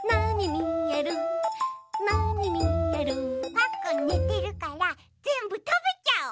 パックンねてるからぜんぶたべちゃおう！